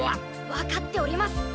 わかっております。